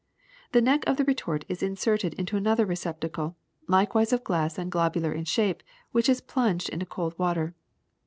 The neck of the retort is inserted into another receptacle, likewise of glass and globu lar in shape, which is plunged into cold water.